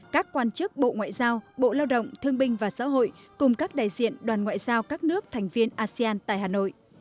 các quan chức bộ ngoại giao bộ lao động thương binh và xã hội cùng các đại diện đoàn ngoại giao các nước thành viên asean tại hà nội